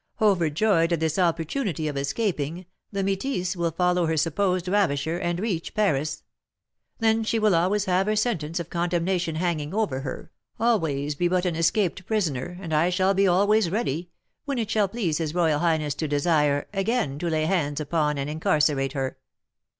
Overjoyed at this opportunity of escaping, the métisse will follow her supposed ravisher, and reach Paris; then she will always have her sentence of condemnation hanging over her, always be but an escaped prisoner, and I shall be always ready, when it shall please his royal highness to desire, again to lay hands upon and incarcerate her."